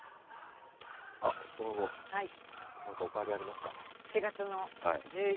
その後何かお変わりありますか？